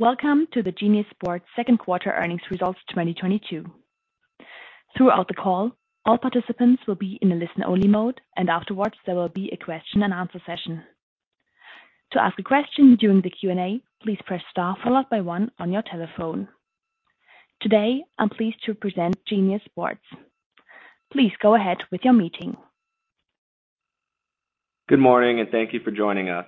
Welcome to the Genius Sports Second Quarter Earnings Results 2022. Throughout the call, all participants will be in a listen-only mode, and afterwards there will be a question and answer session. To ask a question during the Q&A, please press Star followed by one on your telephone. Today, I'm pleased to present Genius Sports. Please go ahead with your meeting. Good morning, and thank you for joining us.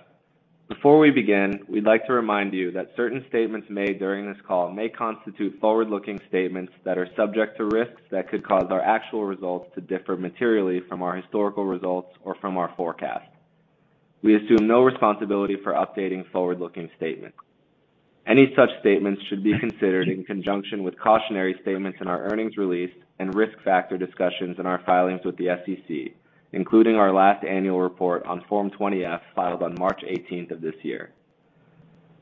Before we begin, we'd like to remind you that certain statements made during this call may constitute forward-looking statements that are subject to risks that could cause our actual results to differ materially from our historical results or from our forecast. We assume no responsibility for updating forward-looking statements. Any such statements should be considered in conjunction with cautionary statements in our earnings release and risk factor discussions in our filings with the SEC, including our last annual report on Form 20-F filed on March 18th of this year.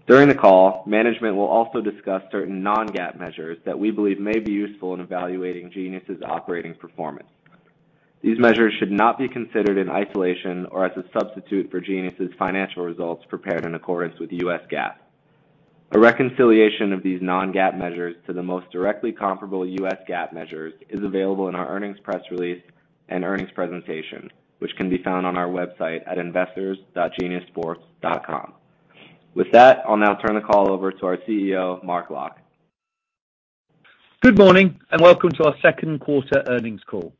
During the call, management will also discuss certain non-GAAP measures that we believe may be useful in evaluating Genius's operating performance. These measures should not be considered in isolation or as a substitute for Genius's financial results prepared in accordance with U.S. GAAP. A reconciliation of these non-GAAP measures to the most directly comparable U.S. GAAP measures is available in our earnings press release and earnings presentation, which can be found on our website at investors.geniussports.com. With that, I'll now turn the call over to our CEO, Mark Locke. Good morning and welcome to our second quarter earnings call.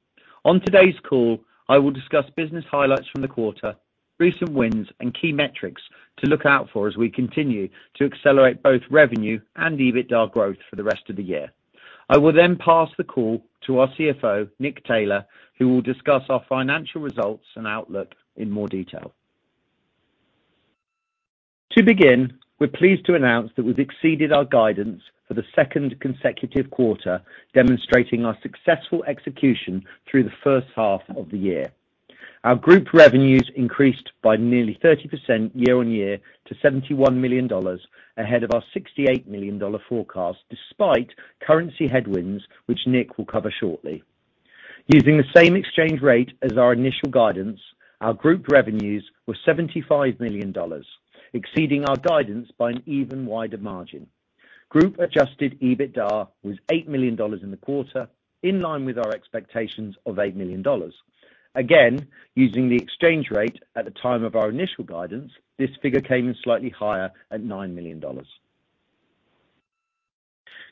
On today's call, I will discuss business highlights from the quarter, recent wins, and key metrics to look out for as we continue to accelerate both revenue and EBITDA growth for the rest of the year. I will then pass the call to our CFO, Nick Taylor, who will discuss our financial results and outlook in more detail. To begin, we're pleased to announce that we've exceeded our guidance for the second consecutive quarter, demonstrating our successful execution through the first half of the year. Our group revenues increased by nearly 30% year-over-year to $71 million ahead of our $68 million forecast, despite currency headwinds, which Nick will cover shortly. Using the same exchange rate as our initial guidance, our group revenues were $75 million, exceeding our guidance by an even wider margin. Group Adjusted EBITDA was $8 million in the quarter, in line with our expectations of $8 million. Again, using the exchange rate at the time of our initial guidance, this figure came in slightly higher at $9 million.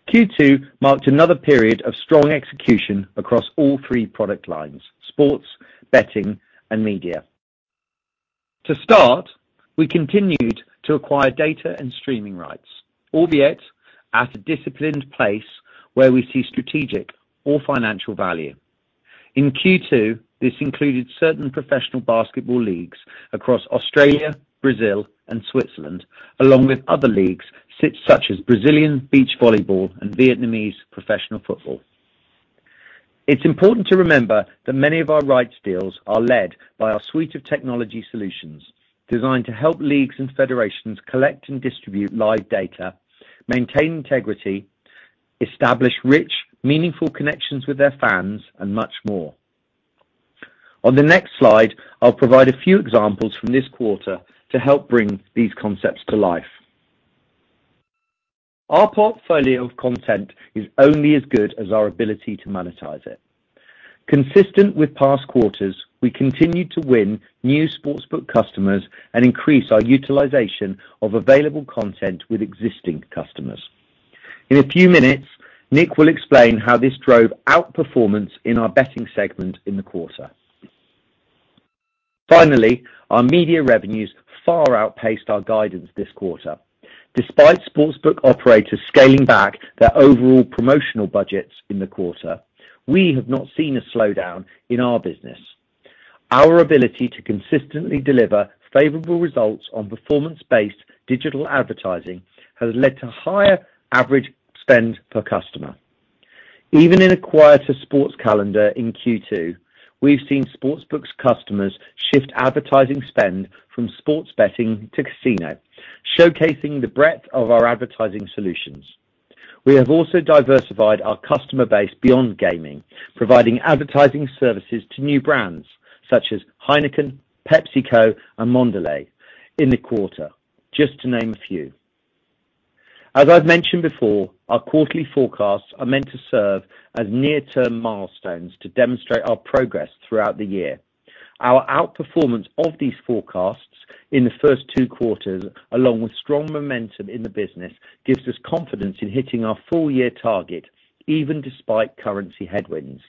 Q2 marked another period of strong execution across all three product lines, sports, betting, and media. To start, we continued to acquire data and streaming rights, albeit at a disciplined pace where we see strategic or financial value. In Q2, this included certain professional basketball leagues across Australia, Brazil, and Switzerland, along with other leagues such as Brazilian Beach Volleyball and Vietnamese professional football. It's important to remember that many of our rights deals are led by our suite of technology solutions designed to help leagues and federations collect and distribute live data, maintain integrity, establish rich, meaningful connections with their fans, and much more. On the next slide, I'll provide a few examples from this quarter to help bring these concepts to life. Our portfolio of content is only as good as our ability to monetize it. Consistent with past quarters, we continued to win new sports book customers and increase our utilization of available content with existing customers. In a few minutes, Nick will explain how this drove outperformance in our betting segment in the quarter. Finally, our media revenues far outpaced our guidance this quarter. Despite sports book operators scaling back their overall promotional budgets in the quarter, we have not seen a slowdown in our business. Our ability to consistently deliver favorable results on performance-based digital advertising has led to higher average spend per customer. Even in a quieter sports calendar in Q2, we've seen sports books customers shift advertising spend from sports betting to casino, showcasing the breadth of our advertising solutions. We have also diversified our customer base beyond gaming, providing advertising services to new brands such as Heineken, PepsiCo, and Mondelēz in the quarter, just to name a few. As I've mentioned before, our quarterly forecasts are meant to serve as near-term milestones to demonstrate our progress throughout the year. Our outperformance of these forecasts in the first two quarters, along with strong momentum in the business, gives us confidence in hitting our full-year target, even despite currency headwinds.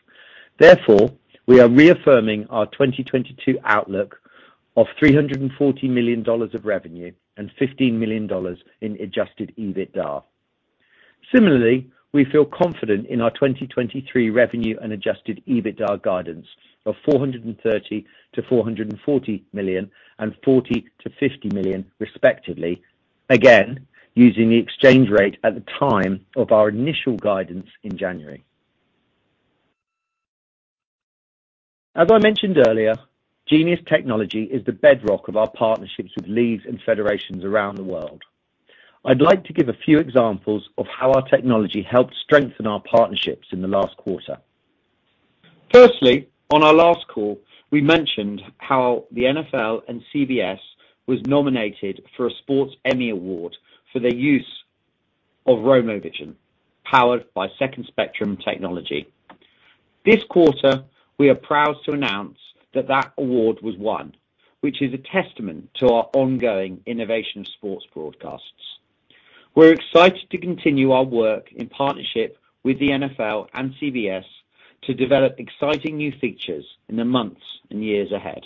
Therefore, we are reaffirming our 2022 outlook of $340 million of revenue and $15 million in Adjusted EBITDA. Similarly, we feel confident in our 2023 revenue and Adjusted EBITDA guidance of $430 million-$440 million and $40 million-$50 million, respectively. Again, using the exchange rate at the time of our initial guidance in January. As I mentioned earlier, Genius technology is the bedrock of our partnerships with leagues and federations around the world. I'd like to give a few examples of how our technology helped strengthen our partnerships in the last quarter. Firstly, on our last call, we mentioned how the NFL and CBS was nominated for a Sports Emmy Award for their use of RomoVision, powered by Second Spectrum technology. This quarter, we are proud to announce that that award was won, which is a testament to our ongoing innovation of sports broadcasts. We're excited to continue our work in partnership with the NFL and CBS to develop exciting new features in the months and years ahead.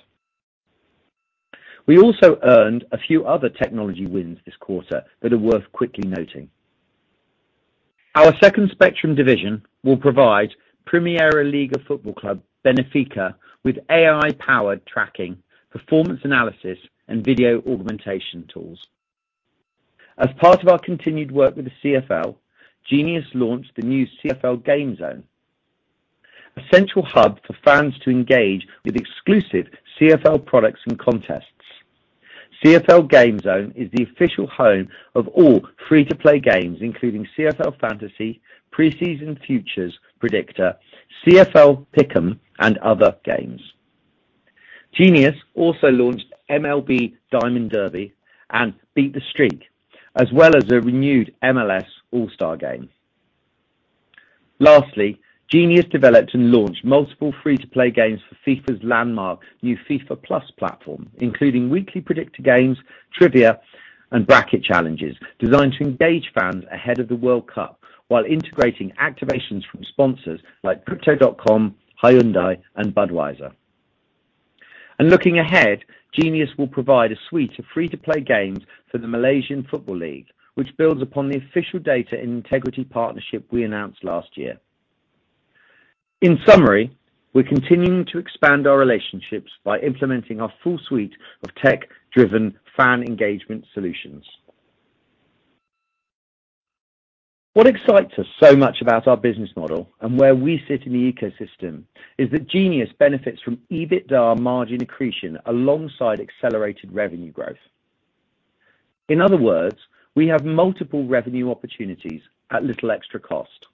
We also earned a few other technology wins this quarter that are worth quickly noting. Our Second Spectrum division will provide Primeira Liga football club Benfica with AI-powered tracking, performance analysis, and video augmentation tools. As part of our continued work with the CFL, Genius launched the new CFL GameZone, a central hub for fans to engage with exclusive CFL products and contests. CFL GameZone is the official home of all free-to-play games, including CFL Fantasy, CFL Preseason Futures, CFL Pick 'Em, and other games. Genius also launched MLB Home Run Derby and Beat the Streak, as well as a renewed MLS All-Star Game. Lastly, Genius developed and launched multiple free-to-play games for FIFA's landmark new FIFA+ platform, including weekly predictor games, trivia, and bracket challenges designed to engage fans ahead of the World Cup while integrating activations from sponsors like Crypto.com, Hyundai and Budweiser. Looking ahead, Genius will provide a suite of free-to-play games for the Malaysian Football League, which builds upon the official data integrity partnership we announced last year. In summary, we're continuing to expand our relationships by implementing our full suite of tech-driven fan engagement solutions. What excites us so much about our business model and where we sit in the ecosystem is that Genius benefits from EBITDA margin accretion alongside accelerated revenue growth. In other words, we have multiple revenue opportunities at little extra cost.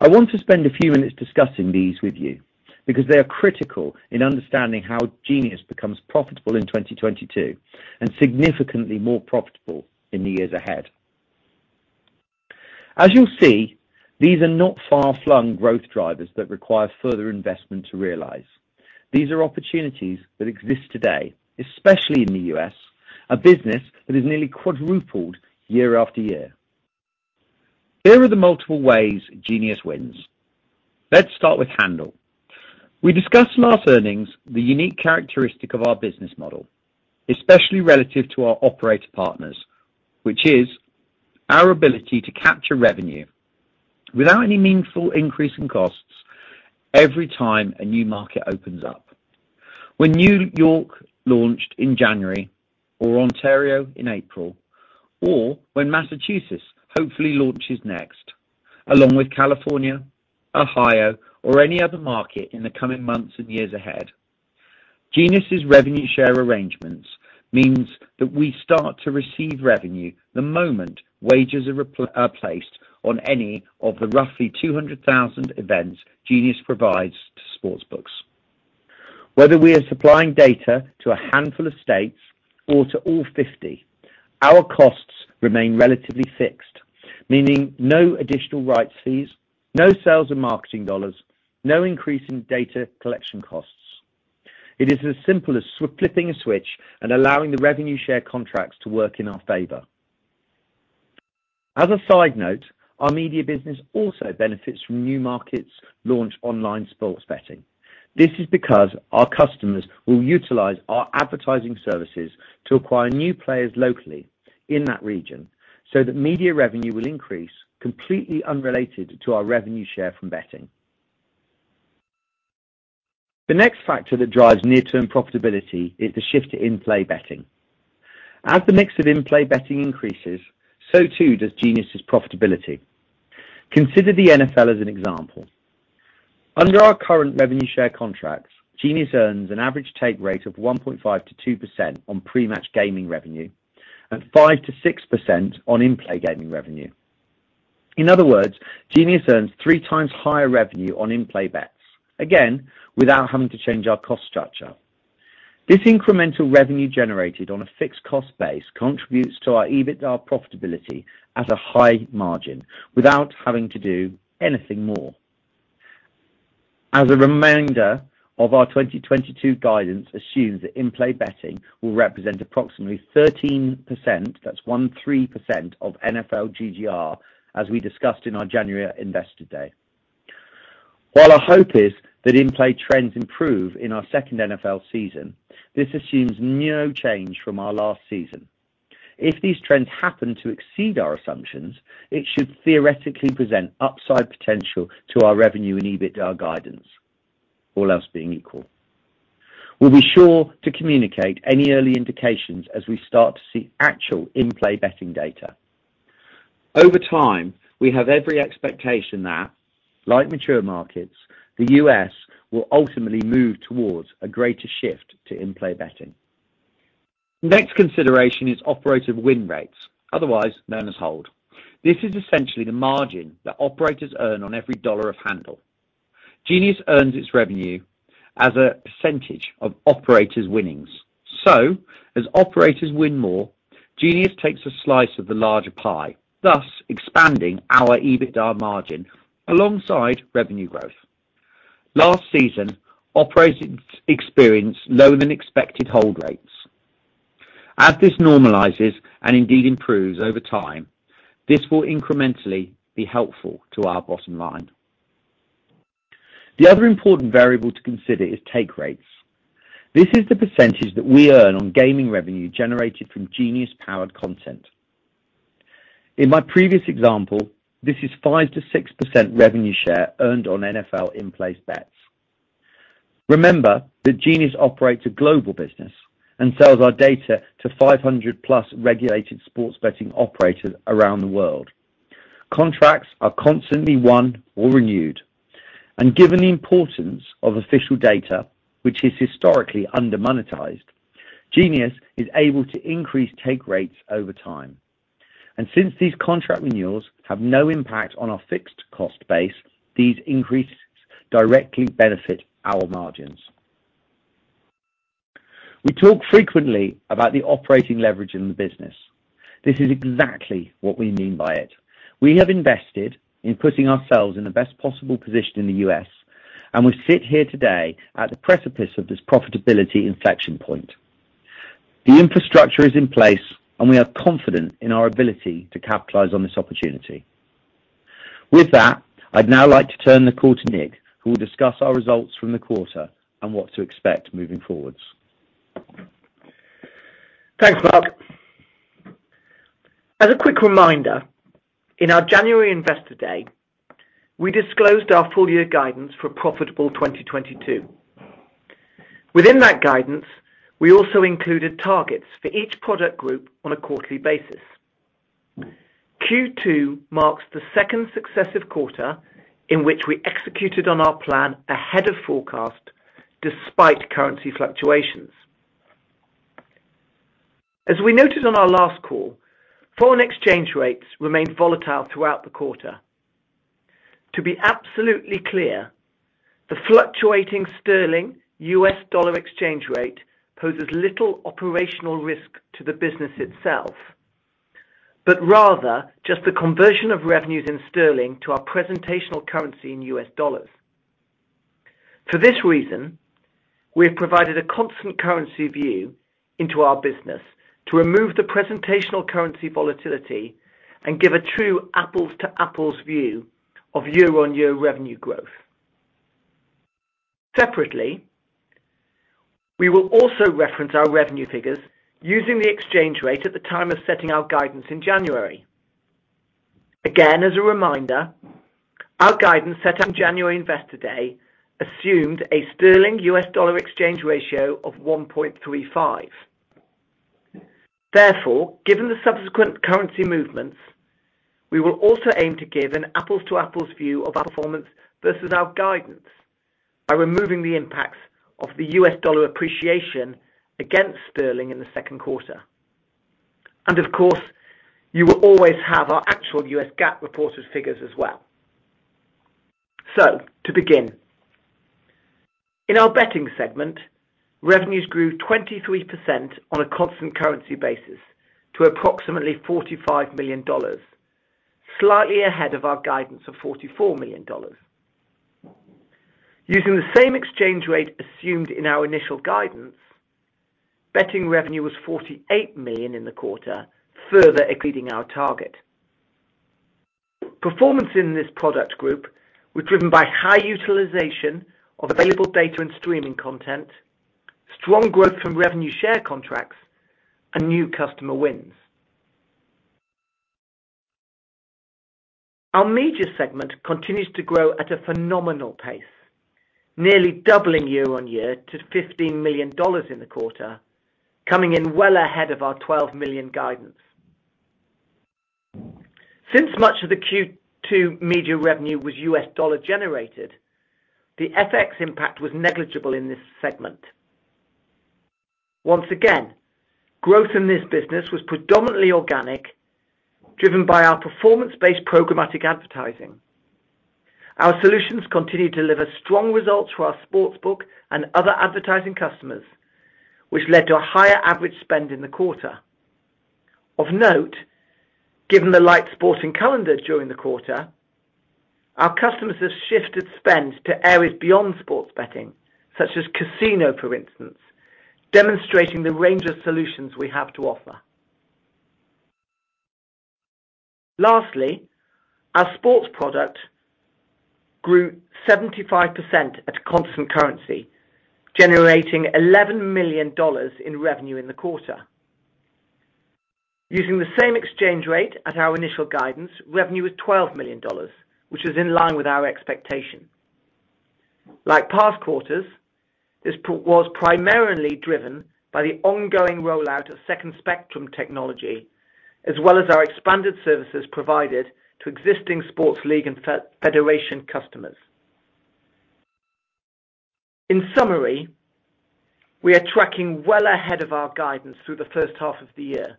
I want to spend a few minutes discussing these with you because they are critical in understanding how Genius becomes profitable in 2022 and significantly more profitable in the years ahead. As you'll see, these are not far-flung growth drivers that require further investment to realize. These are opportunities that exist today, especially in the U.S., a business that has nearly quadrupled year after year. Here are the multiple ways Genius wins. Let's start with handle. We discussed in last earnings the unique characteristic of our business model, especially relative to our operator partners, which is our ability to capture revenue without any meaningful increase in costs every time a new market opens up. When New York launched in January or Ontario in April, or when Massachusetts hopefully launches next, along with California, Ohio, or any other market in the coming months and years ahead. Genius's revenue share arrangements means that we start to receive revenue the moment wagers are placed on any of the roughly 200,000 events Genius provides to sportsbooks. Whether we are supplying data to a handful of states or to all 50, our costs remain relatively fixed, meaning no additional rights fees, no sales and marketing dollars, no increase in data collection costs. It is as simple as flipping a switch and allowing the revenue share contracts to work in our favor. As a side note, our media business also benefits from new markets launching online sports betting. This is because our customers will utilize our advertising services to acquire new players locally in that region so that media revenue will increase completely unrelated to our revenue share from betting. The next factor that drives near-term profitability is the shift to in-play betting. As the mix of in-play betting increases, so too does Genius's profitability. Consider the NFL as an example. Under our current revenue share contracts, Genius earns an average take rate of 1.5%-2% on pre-match gaming revenue and 5%-6% on in-play gaming revenue. In other words, Genius earns three times higher revenue on in-play bets, again, without having to change our cost structure. This incremental revenue generated on a fixed cost base contributes to our EBITDA profitability at a high margin without having to do anything more. As a reminder, our 2022 guidance assumes that in-play betting will represent approximately 13%, that's 13%, of NFL GGR, as we discussed in our January Investor Day. While our hope is that in-play trends improve in our second NFL season, this assumes no change from our last season. If these trends happen to exceed our assumptions, it should theoretically present upside potential to our revenue and EBITDA guidance, all else being equal. We'll be sure to communicate any early indications as we start to see actual in-play betting data. Over time, we have every expectation that, like mature markets, the U.S will ultimately move towards a greater shift to in-play betting. Next consideration is operative win rates, otherwise known as hold. This is essentially the margin that operators earn on every dollar of handle. Genius earns its revenue as a percentage of operators' winnings. As operators win more, Genius takes a slice of the larger pie, thus expanding our EBITDA margin alongside revenue growth. Last season, operators experienced lower than expected hold rates. As this normalizes and indeed improves over time, this will incrementally be helpful to our bottom line. The other important variable to consider is take rates. This is the percentage that we earn on gaming revenue generated from Genius-powered content. In my previous example, this is 5%-6% revenue share earned on NFL in-play bets. Remember that Genius operates a global business and sells our data to 500+ regulated sports betting operators around the world. Contracts are constantly won or renewed, and given the importance of official data, which is historically under-monetized, Genius is able to increase take rates over time. Since these contract renewals have no impact on our fixed cost base, these increases directly benefit our margins. We talk frequently about the Operating Leverage in the business. This is exactly what we mean by it. We have invested in putting ourselves in the best possible position in the U.S., and we sit here today at the precipice of this profitability inflection point. The infrastructure is in place, and we are confident in our ability to capitalize on this opportunity. With that, I'd now like to turn the call to Nick, who will discuss our results from the quarter and what to expect moving forward. Thanks, Mark. As a quick reminder, in our January Investor Day, we disclosed our full year guidance for profitable 2022. Within that guidance, we also included targets for each product group on a quarterly basis. Q2 marks the second successive quarter in which we executed on our plan ahead of forecast despite currency fluctuations. As we noted on our last call, foreign exchange rates remained volatile throughout the quarter. To be absolutely clear, the fluctuating sterling-U.S. dollar exchange rate poses little operational risk to the business itself, but rather just the conversion of revenues in sterling to our presentational currency in U.S. dollars. For this reason, we have provided a Constant Currency view into our business to remove the presentational currency volatility and give a true apples to apples view of year-on-year revenue growth. Separately, we will also reference our revenue figures using the exchange rate at the time of setting our guidance in January. Again, as a reminder, our guidance set on January Investor Day assumed a sterling-U.S. dollar exchange ratio of 1.35. Therefore, given the subsequent currency movements, we will also aim to give an apples to apples view of our performance versus our guidance by removing the impacts of the U.S. dollar appreciation against sterling in the second quarter. Of course, you will always have our actual U.S. GAAP reported figures as well. To begin. In our Betting segment, revenues grew 23% on a Constant Currency basis to approximately $45 million, slightly ahead of our guidance of $44 million. Using the same exchange rate assumed in our initial guidance, betting revenue was $48 million in the quarter, further exceeding our target. Performance in this product group was driven by high utilization of available data and streaming content, strong growth from revenue share contracts and new customer wins. Our Media segment continues to grow at a phenomenal pace, nearly doubling year-over-year to $15 million in the quarter, coming in well ahead of our $12 million guidance. Since much of the Q2 media revenue was U.S. dollar generated, the FX impact was negligible in this segment. Once again, growth in this business was predominantly organic, driven by our performance-based programmatic advertising. Our solutions continue to deliver strong results for our sportsbook and other advertising customers, which led to a higher average spend in the quarter. Of note, given the light sporting calendar during the quarter, our customers have shifted spend to areas beyond sports betting, such as casino, for instance, demonstrating the range of solutions we have to offer. Lastly, our sports product grew 75% at Constant Currency, generating $11 million in revenue in the quarter. Using the same exchange rate as our initial guidance, revenue was $12 million, which is in line with our expectation. Like past quarters, this was primarily driven by the ongoing rollout of Second Spectrum technology, as well as our expanded services provided to existing sports league and federation customers. In summary, we are tracking well ahead of our guidance through the first half of the year,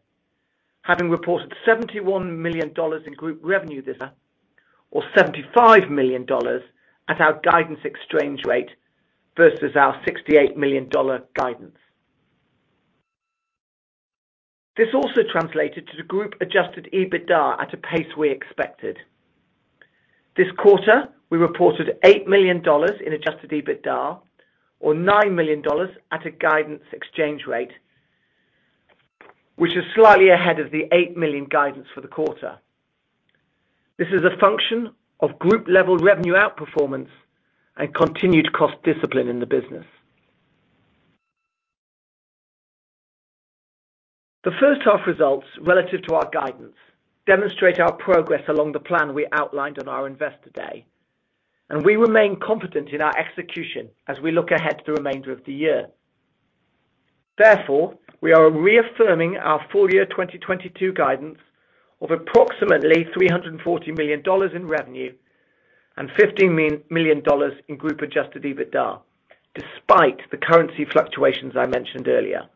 having reported $71 million in group revenue this year, or $75 million at our guidance exchange rate versus our $68 million guidance. This also translated to the group Adjusted EBITDA at a pace we expected. This quarter, we reported $8 million in Adjusted EBITDA or $9 million at a guidance exchange rate, which is slightly ahead of the $8 million guidance for the quarter. This is a function of group level revenue outperformance and continued cost discipline in the business. The first half results relative to our guidance demonstrate our progress along the plan we outlined on our investor day, and we remain confident in our execution as we look ahead to the remainder of the year. Therefore, we are reaffirming our full year 2022 guidance of approximately $340 million in revenue and $15 million in group Adjusted EBITDA, despite the currency fluctuations I mentioned earlier.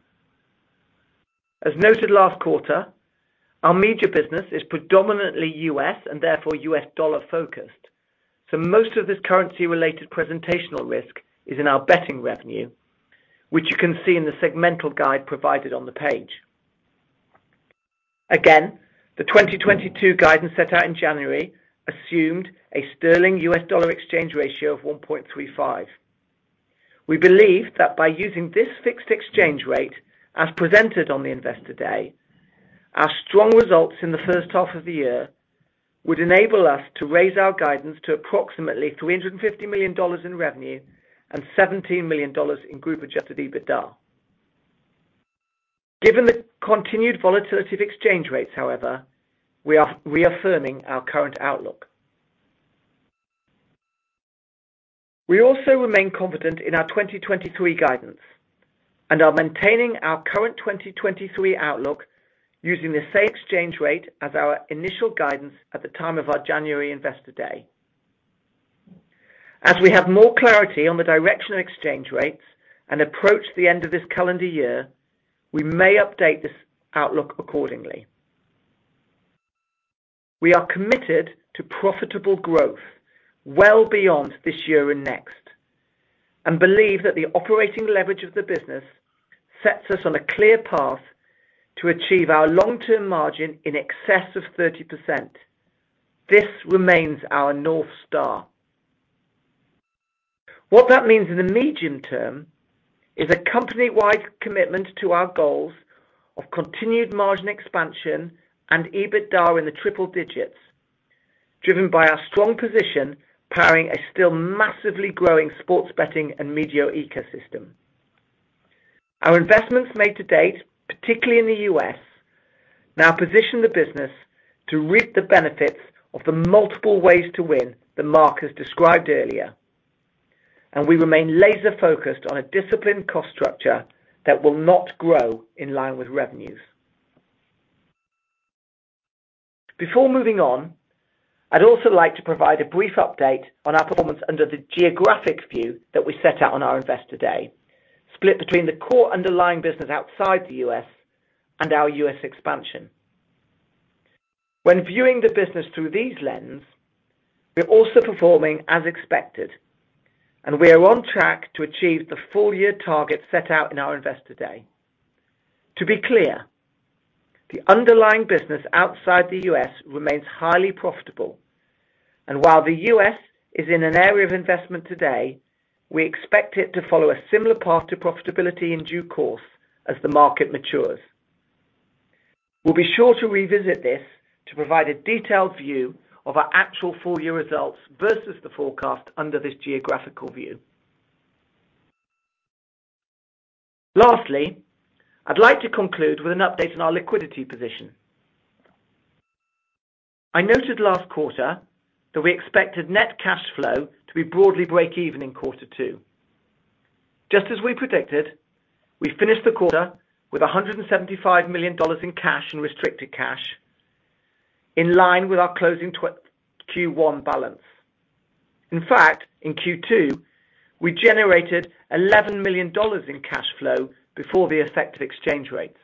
As noted last quarter, our media business is predominantly U.S. and therefore U.S. dollar-focused. Most of this currency-related presentational risk is in our betting revenue, which you can see in the segmental guide provided on the page. Again, the 2022 guidance set out in January assumed a sterling-US dollar exchange ratio of 1.35. We believe that by using this fixed exchange rate as presented on the investor day, our strong results in the first half of the year would enable us to raise our guidance to approximately $350 million in revenue and $17 million in group Adjusted EBITDA. Given the continued volatility of exchange rates, however, we are reaffirming our current outlook. We also remain confident in our 2023 guidance and are maintaining our current 2023 outlook using the same exchange rate as our initial guidance at the time of our January investor day. As we have more clarity on the direction of exchange rates and approach the end of this calendar year, we may update this outlook accordingly. We are committed to profitable growth well beyond this year and next, and believe that the Operating Leverage of the business sets us on a clear path to achieve our long-term margin in excess of 30%. This remains our North Star. What that means in the medium term is a company-wide commitment to our goals of continued margin expansion and EBITDA in the triple digits, driven by our strong position powering a still massively growing sports betting and media ecosystem. Our investments made to date, particularly in the U.S., now position the business to reap the benefits of the multiple ways to win that Mark has described earlier, and we remain laser-focused on a disciplined cost structure that will not grow in line with revenues. Before moving on, I'd also like to provide a brief update on our performance under the geographic view that we set out on our investor day, split between the core underlying business outside the U.S. and our U.S. expansion. When viewing the business through these lens, we're also performing as expected, and we are on track to achieve the full-year target set out in our investor day. To be clear, the underlying business outside the U.S remains highly profitable, and while the U.S is in an area of investment today, we expect it to follow a similar path to profitability in due course as the market matures. We'll be sure to revisit this to provide a detailed view of our actual full-year results versus the forecast under this geographical view. Lastly, I'd like to conclude with an update on our liquidity position. I noted last quarter that we expected net cash flow to be broadly break even in quarter two. Just as we predicted, we finished the quarter with $175 million in cash and restricted cash in line with our closing Q1 balance. In fact, in Q2, we generated $11 million in cash flow before the effect of exchange rates.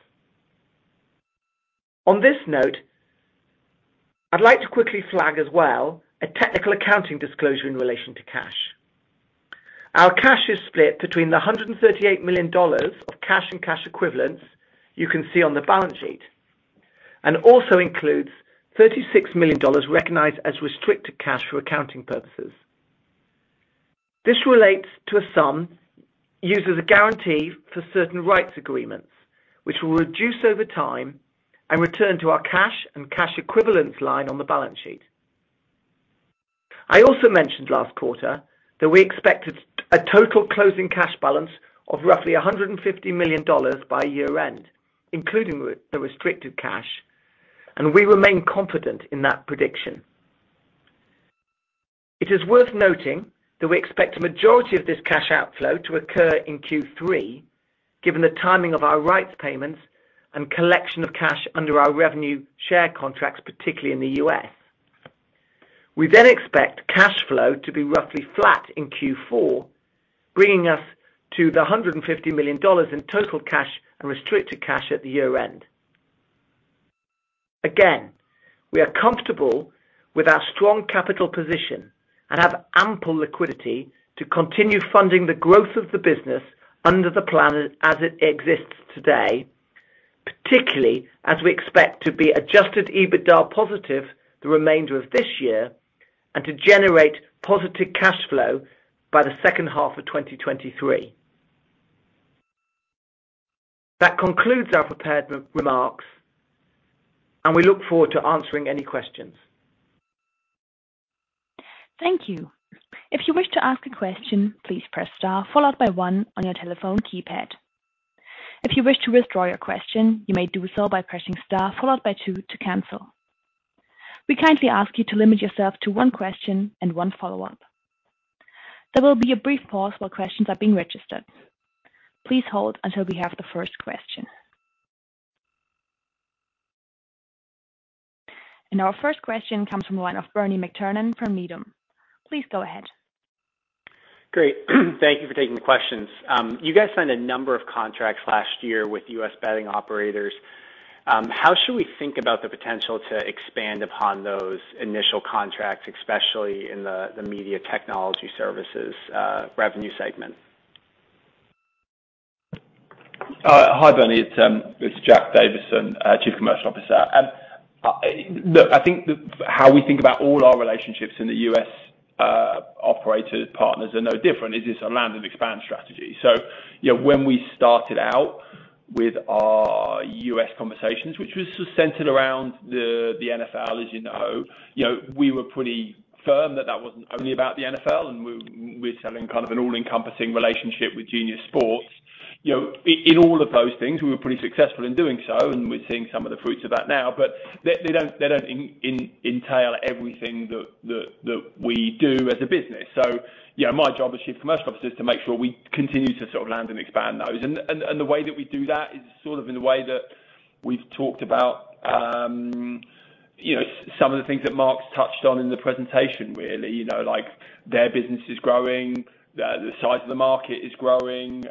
On this note, I'd like to quickly flag as well a technical accounting disclosure in relation to cash. Our cash is split between the $138 million of cash and cash equivalents you can see on the balance sheet, and also includes $36 million recognized as restricted cash for accounting purposes. This relates to a sum used as a guarantee for certain rights agreements, which will reduce over time and return to our cash and cash equivalents line on the balance sheet. I also mentioned last quarter that we expected a total closing cash balance of roughly $150 million by year-end, including the restricted cash, and we remain confident in that prediction. It is worth noting that we expect a majority of this cash outflow to occur in Q3, given the timing of our rights payments and collection of cash under our revenue share contracts, particularly in the U.S. We expect cash flow to be roughly flat in Q4, bringing us to $150 million in total cash and restricted cash at year-end. We are comfortable with our strong capital position and have ample liquidity to continue funding the growth of the business under the plan as it exists today, particularly as we expect to be Adjusted EBITDA positive the remainder of this year and to generate positive cash flow by the second half of 2023. That concludes our prepared remarks, and we look forward to answering any questions. Thank you. If you wish to ask a question, please press star followed by one on your telephone keypad. If you wish to withdraw your question, you may do so by pressing star followed by two to cancel. We kindly ask you to limit yourself to one question and one follow-up. There will be a brief pause while questions are being registered. Please hold until we have the first question. Our first question comes from the line of Bernie McTernan from Needham. Please go ahead. Great. Thank you for taking the questions. You guys signed a number of contracts last year with US betting operators. How should we think about the potential to expand upon those initial contracts, especially in the Media Technology Services revenue segment? Hi, Bernie, it's Jack Davison, Chief Commercial Officer. Look, I think how we think about all our relationships in the U.S., operator partners are no different. It is a land and expand strategy. You know, when we started out with our U.S. conversations, which was just centered around the NFL, as you know, we were pretty firm that that wasn't only about the NFL, and we're selling kind of an all-encompassing relationship with Genius Sports. You know, in all of those things, we were pretty successful in doing so, and we're seeing some of the fruits of that now. They don't entail everything that we do as a business. You know, my job as Chief Commercial Officer is to make sure we continue to sort of land and expand those. The way that we do that is sort of in the way that we've talked about, you know, some of the things that Mark's touched on in the presentation, really. You know, like, their business is growing, the size of the market is growing.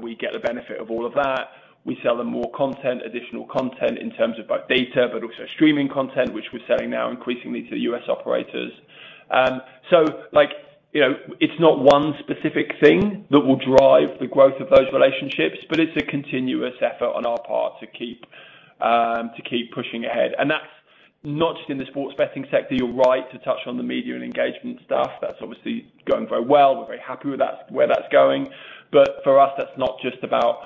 We get the benefit of all of that. We sell them more content, additional content in terms of both data, but also streaming content, which we're selling now increasingly to the U.S. operators. So like, you know, it's not one specific thing that will drive the growth of those relationships, but it's a continuous effort on our part to keep pushing ahead. That's not just in the sports betting sector. You're right to touch on the media and engagement stuff. That's obviously going very well. We're very happy with that, where that's going. For us, that's not just about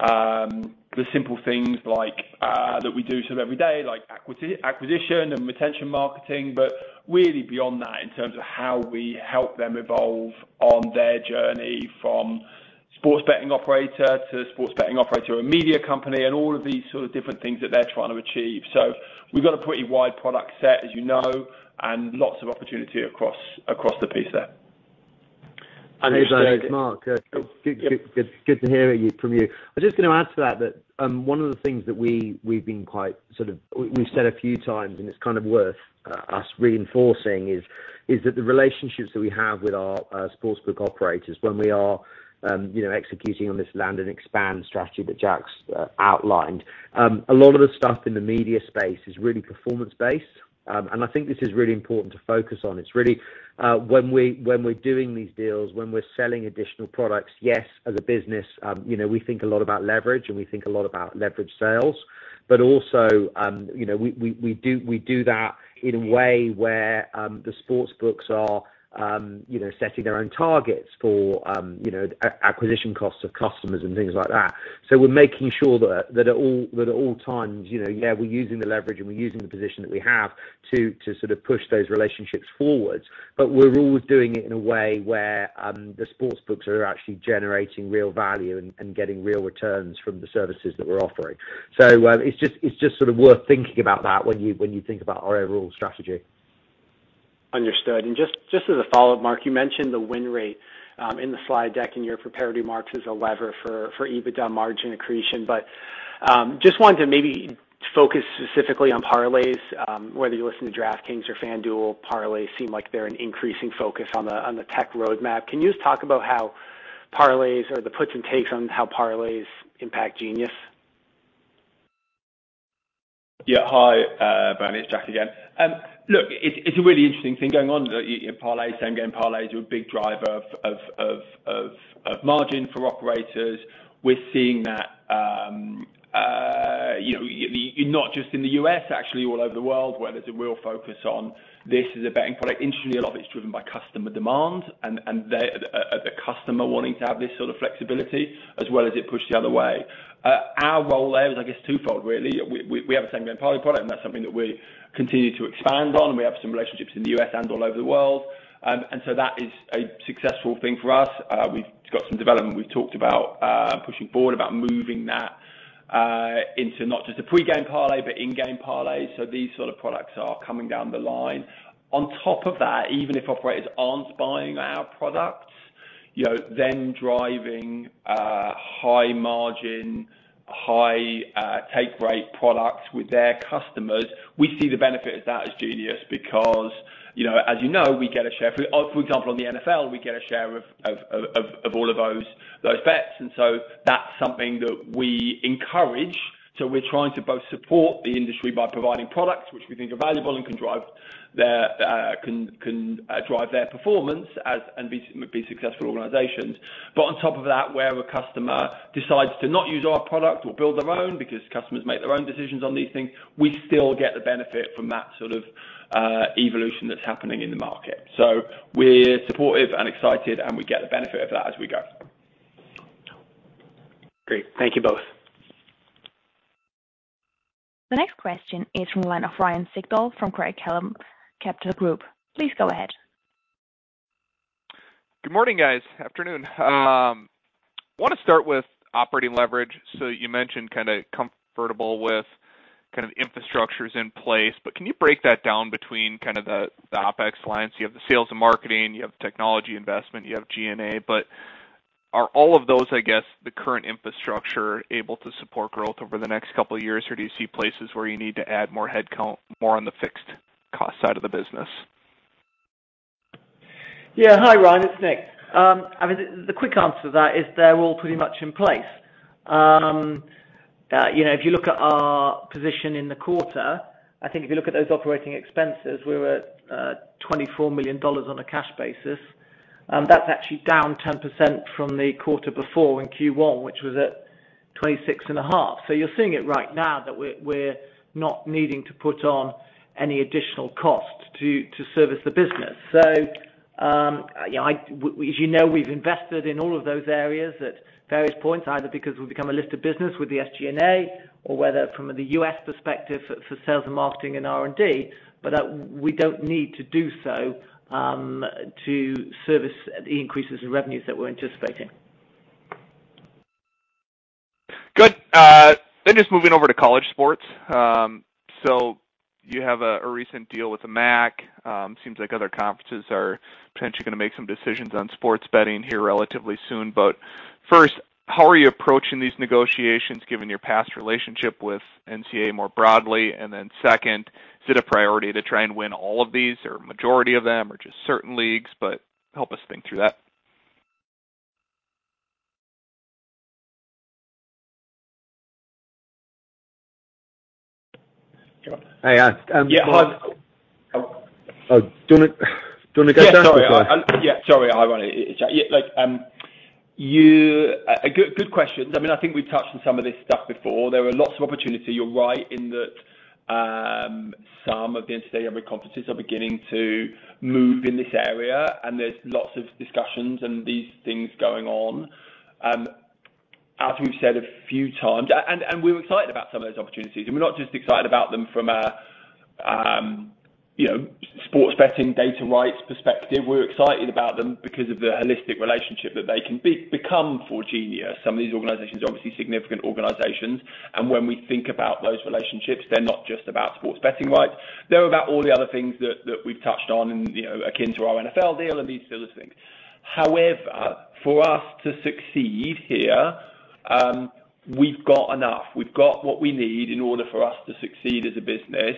the simple things like that we do sort of every day, like acquisition and retention marketing, but really beyond that in terms of how we help them evolve on their journey from sports betting operator to sports betting operator or a media company and all of these sort of different things that they're trying to achieve. We've got a pretty wide product set, as you know, and lots of opportunity across the piece there. Hey, Jack, it's Mark. Good to hear from you. I was just gonna add to that, one of the things that we've been quite, we've said a few times, and it's kind of worth us reinforcing, is that the relationships that we have with our sportsbook operators when we are, you know, executing on this land and expand strategy that Jack's outlined, a lot of the stuff in the media space is really performance-based. I think this is really important to focus on. It's really, when we're doing these deals, when we're selling additional products, yes, as a business, you know, we think a lot about leverage, and we think a lot about leverage sales. Also, you know, we do that in a way where the sportsbooks are you know, setting their own targets for you know, acquisition costs of customers and things like that. We're making sure that at all times, you know, yeah, we're using the leverage, and we're using the position that we have to sort of push those relationships forwards. We're always doing it in a way where the sportsbooks are actually generating real value and getting real returns from the services that we're offering. It's just sort of worth thinking about that when you think about our overall strategy. Understood. Just as a follow-up, Mark, you mentioned the win rate in the slide deck in your prepared remarks as a lever for EBITDA margin accretion. Just wanted to maybe focus specifically on parlays, whether you listen to DraftKings or FanDuel, Parlays seem like they're an increasing focus on the tech roadmap. Can you just talk about how parlays or the puts and takes on how parlays impact Genius? Yeah. Hi, Bernie, it's Jack again. Look, it's a really interesting thing going on in parlay, same-game parlays are a big driver of margin for operators. We're seeing that, you know, not just in the U.S., actually all over the world, where there's a real focus on this as a betting product. Interestingly, a lot of it's driven by customer demand and the customer wanting to have this sort of flexibility as well as it pushed the other way. Our role there is, I guess, twofold, really. We have a same-game parlay product, and that's something that we continue to expand on. We have some relationships in the U.S. and all over the world. That is a successful thing for us. We've got some development we've talked about pushing forward about moving that into not just a pre-game parlay but in-game parlay. These sort of products are coming down the line. On top of that, even if operators aren't buying our products You know, them driving high margin, high take rate products with their customers, we see the benefit of that as Genius because, you know, as you know, we get a share. For example, in the NFL, we get a share of all of those bets. That's something that we encourage. We're trying to both support the industry by providing products which we think are valuable and can drive their performance as successful organizations. On top of that, where a customer decides to not use our product or build their own because customers make their own decisions on these things, we still get the benefit from that sort of evolution that's happening in the market. We're supportive and excited, and we get the benefit of that as we go. Great. Thank you both. The next question is from the line of Ryan Sigdahl from Craig-Hallum Capital Group. Please go ahead. Good morning guys. Afternoon. Want to start with Operating Leverage. You mentioned kinda comfortable with kind of infrastructures in place, but can you break that down between kind of the OpEx lines? You have the sales and marketing, you have technology investment, you have G&A. Are all of those, I guess, the current infrastructure able to support growth over the next couple of years? Or do you see places where you need to add more headcount, more on the fixed cost side of the business? Yeah. Hi, Ryan. It's Nick. I mean the quick answer to that is they're all pretty much in place. You know, if you look at our position in the quarter, I think if you look at those operating expenses, we were at $24 million on a cash basis. That's actually down 10% from the quarter before in Q1, which was at $26.5 million. You're seeing it right now that we're not needing to put on any additional cost to service the business. Yeah, as you know, we've invested in all of those areas at various points, either because we've become a listed business with the SG&A or whether from the U.S. perspective for sales and marketing and R&D, but we don't need to do so to service the increases in revenues that we're anticipating. Good. Just moving over to college sports. You have a recent deal with the MAC. Seems like other conferences are potentially gonna make some decisions on sports betting here relatively soon. First, how are you approaching these negotiations, given your past relationship with NCAA more broadly? Second, is it a priority to try and win all of these or majority of them or just certain leagues? Help us think through that.I Yeah. Oh, do you wanna go, Jack? A good question. I mean, I think we've touched on some of this stuff before. There are lots of opportunity. You're right in that some of the NCAA conferences are beginning to move in this area, and there's lots of discussions and these things going on. As we've said a few times, we're excited about some of those opportunities. We're not just excited about them from a, you know, sports betting data rights perspective. We're excited about them because of the holistic relationship that they can become for Genius. Some of these organizations are obviously significant organizations, and when we think about those relationships, they're not just about sports betting rights. They're about all the other things that we've touched on and, you know, akin to our NFL deal and these sorts of things. However, for us to succeed here, we've got enough. We've got what we need in order for us to succeed as a business.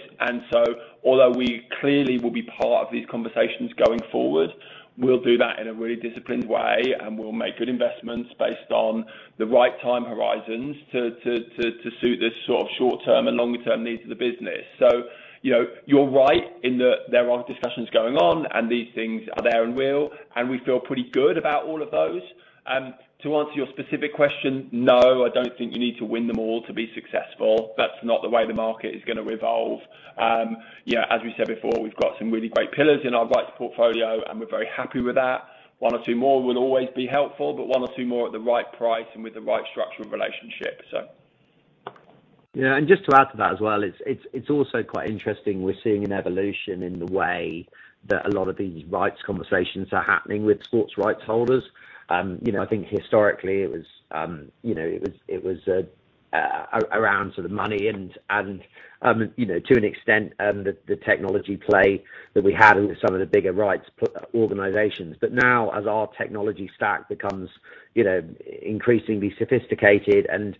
Although we clearly will be part of these conversations going forward, we'll do that in a really disciplined way, and we'll make good investments based on the right time horizons to suit this sort of short-term and longer-term needs of the business. You know, you're right in that there are discussions going on, and these things are there and real, and we feel pretty good about all of those. To answer your specific question, no, I don't think you need to win them all to be successful. That's not the way the market is gonna evolve. You know, as we said before, we've got some really great pillars in our rights portfolio, and we're very happy with that. One or two more will always be helpful, but one or two more at the right price and with the right structural relationship, so. Yeah. Just to add to that as well, it's also quite interesting. We're seeing an evolution in the way that a lot of these rights conversations are happening with sports rights holders. I think historically it was around sort of money and, to an extent, the technology play that we had with some of the bigger rights organizations. Now, as our technology stack becomes increasingly sophisticated and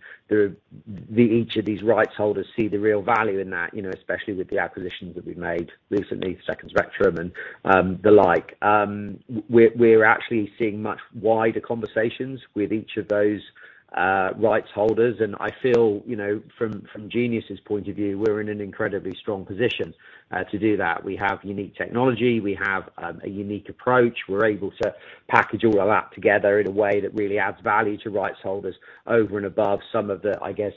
each of these rights holders see the real value in that, especially with the acquisitions that we've made recently, Second Spectrum and the like. We're actually seeing much wider conversations with each of those rights holders. I feel, you know, from Genius' point of view, we're in an incredibly strong position to do that. We have unique technology. We have a unique approach. We're able to package all of that together in a way that really adds value to rights holders over and above some of the, I guess,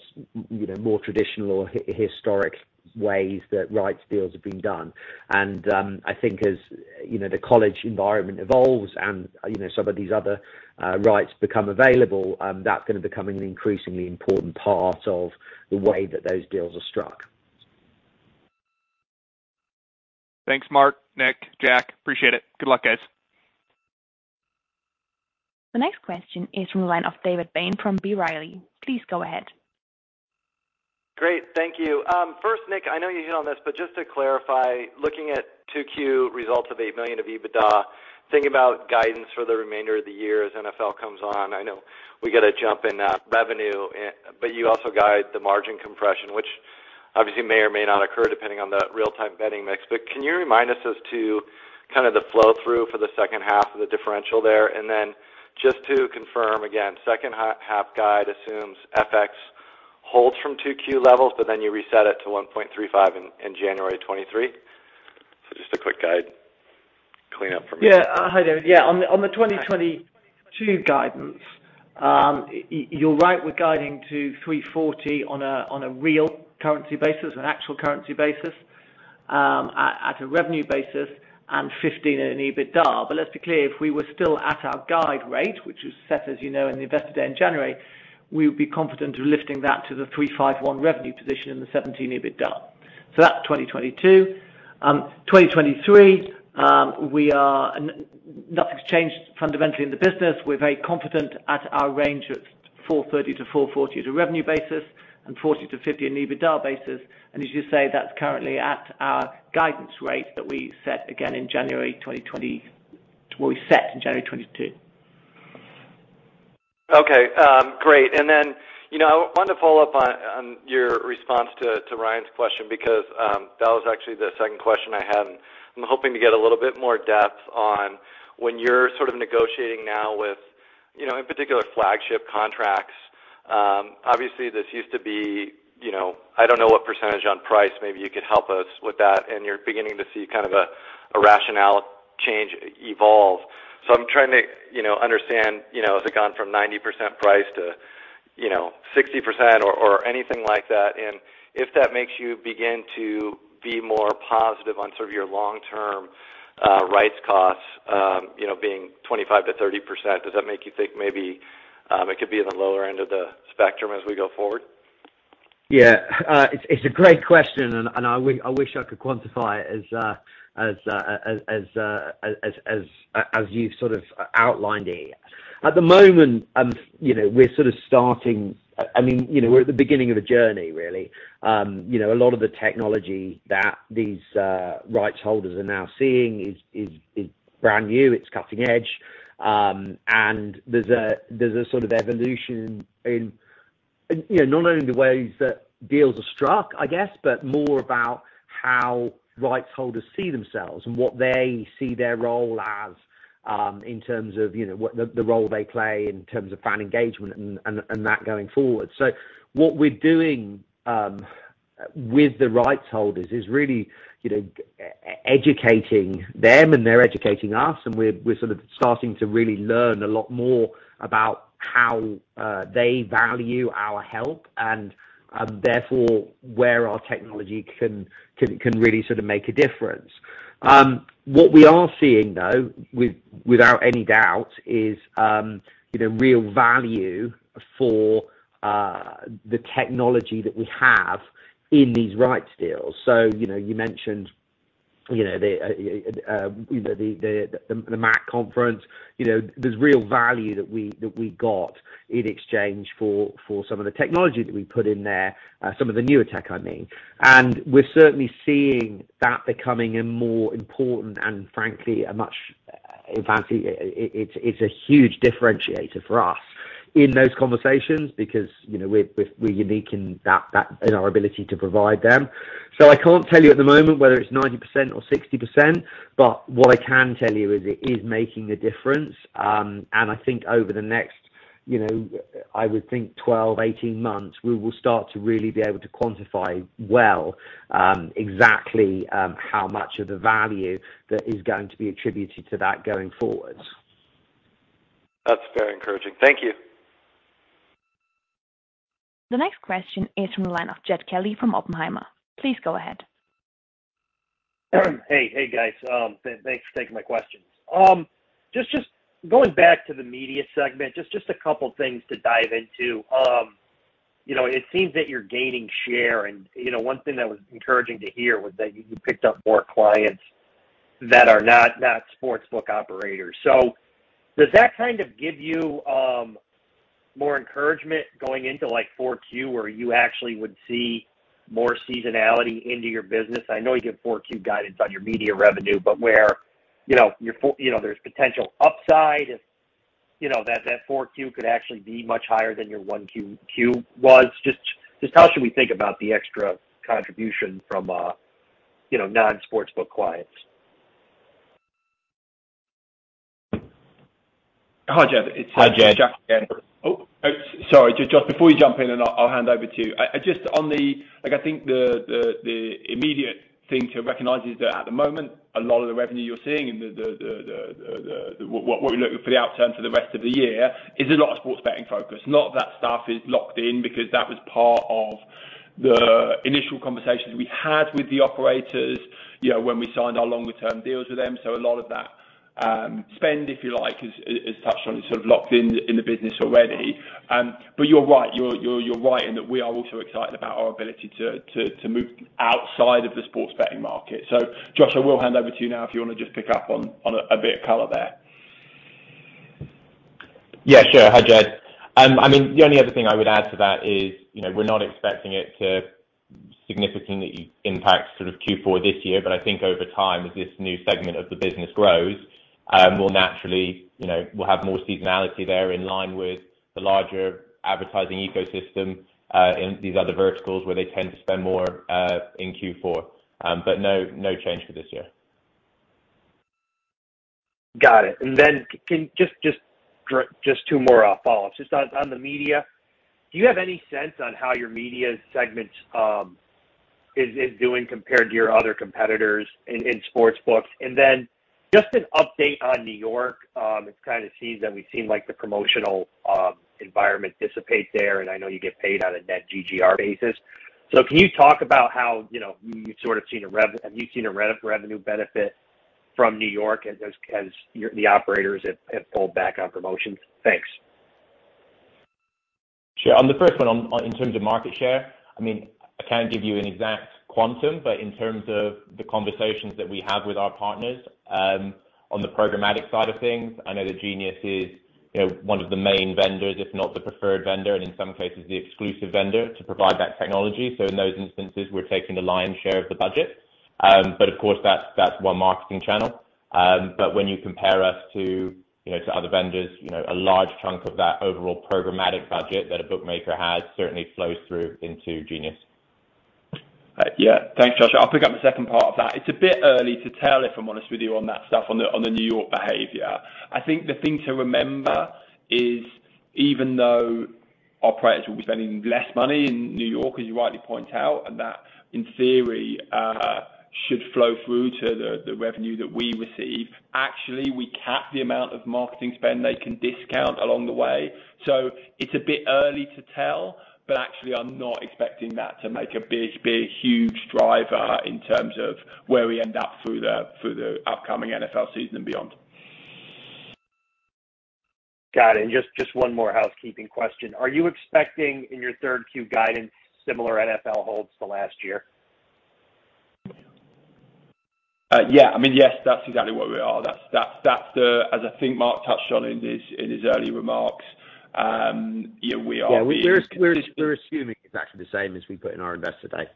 you know, more traditional or historic ways that rights deals have been done. I think as, you know, the college environment evolves and, you know, some of these other rights become available, that's gonna become an increasingly important part of the way that those deals are struck. Thanks, Mark, Nick, Jack. Appreciate it. Good luck, guys. The next question is from the line of David Bain from B. Riley. Please go ahead. Great. Thank you. First, Nick, I know you hit on this, but just to clarify, looking at 2Q results of $8 million of EBITDA, thinking about guidance for the remainder of the year as NFL comes on, I know we get a jump in revenue, but you also guide the margin compression, which obviously may or may not occur depending on the real-time betting mix. But can you remind us as to kind of the flow-through for the second half of the differential there? And then just to confirm again, second half guide assumes FX holds from 2Q levels, but then you reset it to 1.35 in January 2023. Just a quick guide clean up for me. Yeah. Hi, David. Yeah. On the 2022 guidance, you're right, we're guiding to $340 million on a real currency basis, an actual currency basis, at a revenue basis and $15 million in EBITDA. Let's be clear, if we were still at our guide rate, which was set, as you know, in the Investor Day in January, we would be confident in lifting that to the $351 million revenue position and the $17 million EBITDA. That's 2022. 2023, Nothing's changed fundamentally in the business. We're very confident at our range of $430 million-$440 million as a revenue basis and $40 million-$50 million on an EBITDA basis. As you say, that's currently at our guidance rate that we set again in January 2022. Okay, great. You know, I wanted to follow up on your response to Ryan's question because that was actually the second question I had, and I'm hoping to get a little bit more depth on when you're sort of negotiating now with, you know, in particular flagship contracts, obviously this used to be, you know, I don't know what percentage on price, maybe you could help us with that, and you're beginning to see kind of a rationale change evolve. I'm trying to, you know, understand, you know, has it gone from 90% price to, you know, 60% or anything like that? If that makes you begin to be more positive on sort of your long-term rights costs, you know, being 25%-30%, does that make you think maybe it could be in the lower end of the spectrum as we go forward? Yeah. It's a great question, and I wish I could quantify it as you sort of outlined it. At the moment, you know, I mean, we're at the beginning of a journey, really. You know, a lot of the technology that these rights holders are now seeing is brand new. It's cutting edge. There's a sort of evolution in, you know, not only the ways that deals are struck, I guess, but more about how rights holders see themselves and what they see their role as, in terms of, you know, what the role they play in terms of fan engagement and that going forward. What we're doing with the rights holders is really, you know, educating them, and they're educating us, and we're sort of starting to really learn a lot more about how they value our help and therefore, where our technology can really sort of make a difference. What we are seeing, though, without any doubt is, you know, real value for the technology that we have in these rights deals. You know, you mentioned, you know, the MAC conference, you know, there's real value that we got in exchange for some of the technology that we put in there, some of the newer tech, I mean. We're certainly seeing that becoming a more important and frankly a much fancier. It's a huge differentiator for us in those conversations because, you know, we're unique in that in our ability to provide them. I can't tell you at the moment whether it's 90% or 60%, but what I can tell you is it is making a difference. I think over the next, you know, I would think 12-18 months, we will start to really be able to quantify well exactly how much of the value that is going to be attributed to that going forward. That's very encouraging. Thank you. The next question is from the line of Jed Kelly from Oppenheimer. Please go ahead. Hey, guys. Thanks for taking my questions. Just going back to the media segment, just a couple things to dive into. You know, it seems that you're gaining share and, you know, one thing that was encouraging to hear was that you picked up more clients that are not sportsbook operators. So does that kind of give you more encouragement going into, like, 4Q, where you actually would see more seasonality into your business? I know you give 4Q guidance on your media revenue, but where, you know. You know, there's potential upside if, you know, that 4Q could actually be much higher than your 1Q was. Just how should we think about the extra contribution from, you know, non-sportsbook clients? Hi, Jed. Hi, Jed. Josh again. Oh, sorry. Josh, before you jump in, and I'll hand over to you. Like I think the immediate thing to recognize is that at the moment, a lot of the revenue you're seeing and what we're looking for the outcome for the rest of the year is a lot of sports betting focus. Not that stuff is locked in because that was part of the initial conversations we had with the operators, you know, when we signed our longer term deals with them. A lot of that spend, if you like, is touched on, is sort of locked in in the business already. You're right. You're right in that we are also excited about our ability to move outside of the sports betting market. Josh, I will hand over to you now if you wanna just pick up on a bit of color there. Yeah, sure. Hi, Jed. I mean, the only other thing I would add to that is, you know, we're not expecting it to significantly impact sort of Q4 this year, but I think over time, as this new segment of the business grows, we'll naturally, you know, we'll have more seasonality there in line with the larger advertising ecosystem in these other verticals where they tend to spend more in Q4. No change for this year. Got it. Then just two more follow-ups. Just on the media, do you have any sense on how your media segment is doing compared to your other competitors in sportsbooks? Just an update on New York. It kind of seems like the promotional environment has dissipated there, and I know you get paid on a net GGR basis. Can you talk about how, you know, you've sort of seen a revenue benefit from New York as the operators have pulled back on promotions? Thanks. Sure. On the first one in terms of market share, I mean, I can't give you an exact quantum, but in terms of the conversations that we have with our partners, on the programmatic side of things, I know that Genius is, you know, one of the main vendors, if not the preferred vendor, and in some cases, the exclusive vendor to provide that technology. In those instances, we're taking the lion's share of the budget. Of course, that's one marketing channel. When you compare us to, you know, other vendors, you know, a large chunk of that overall programmatic budget that a bookmaker has certainly flows through into Genius. Yeah. Thanks, Josh. I'll pick up the second part of that. It's a bit early to tell, if I'm honest with you on that stuff, on the New York behavior. I think the thing to remember is even though operators will be spending less money in New York, as you rightly point out, and that in theory, should flow through to the revenue that we receive. Actually, we cap the amount of marketing spend they can discount along the way. It's a bit early to tell, but actually I'm not expecting that to make a big, huge driver in terms of where we end up through the upcoming NFL season and beyond. Got it. Just one more housekeeping question. Are you expecting in your third Q guidance, similar NFL holds to last year? Yeah. I mean, yes, that's exactly where we are. That's as I think Mark touched on in his early remarks, yeah, we are being- Yeah, we're assuming exactly the same as we put in our Investor Day.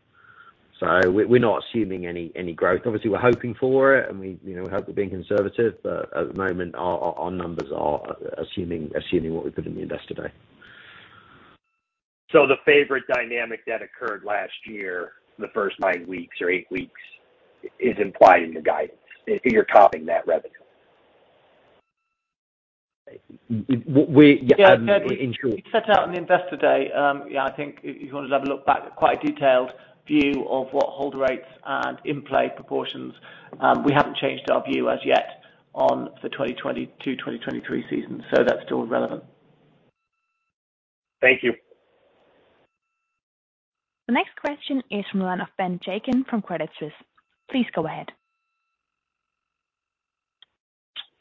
We're not assuming any growth. Obviously, we're hoping for it and we, you know, hope we're being conservative, but at the moment our numbers are assuming what we put in the Investor Day. The favorable dynamic that occurred last year, the first nine weeks or eight weeks, is implying the guidance. You're topping that revenue. We're yeah, in short. We set out on the Investor Day. I think if you wanna have a look back at quite a detailed view of what hold rates and in-play proportions, we haven't changed our view as yet on the 2020-2023 season. That's still relevant. Thank you. The next question is from the line of Ben Chaiken from Credit Suisse. Please go ahead.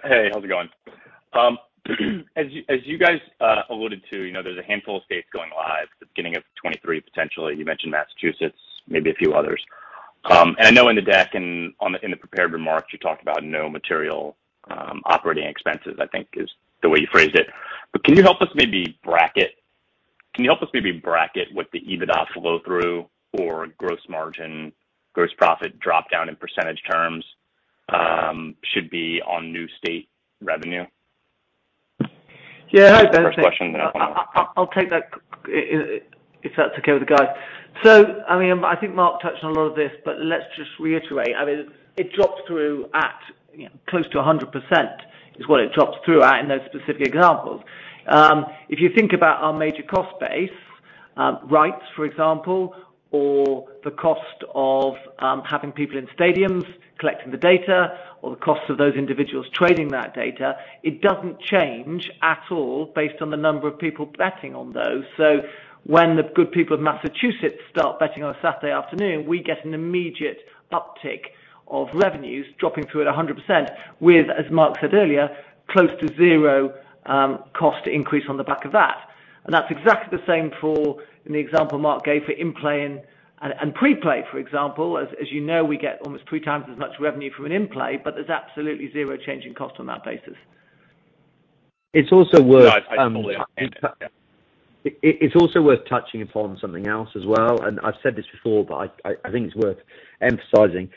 Hey, how's it going? As you guys alluded to, you know, there's a handful of states going live at the beginning of 2023, potentially. You mentioned Massachusetts, maybe a few others. I know in the deck and in the prepared remarks, you talked about no material operating expenses, I think is the way you phrased it. Can you help us maybe bracket what the EBITDA flow through or gross margin, gross profit dropdown in percentage terms should be on new state revenue? Yeah. First question. I'll take that if that's okay with the guys. I mean, I think Mark touched on a lot of this, but let's just reiterate. I mean, it drops through at, you know, close to 100% is what it drops through at in those specific examples. If you think about our major cost base, rights, for example, or the cost of having people in stadiums collecting the data or the cost of those individuals trading that data, it doesn't change at all based on the number of people betting on those. When the good people of Massachusetts start betting on a Saturday afternoon, we get an immediate uptick of revenues dropping through at 100% with, as Mark said earlier, close to zero cost increase on the back of that. That's exactly the same for, in the example Mark gave for in-play and pre-play, for example. As you know, we get almost three times as much revenue from an in-play, but there's absolutely zero change in cost on that basis. It's also worth No, I totally understand. Yeah. It's also worth touching upon something else as well. I've said this before, but I think it's worth emphasizing.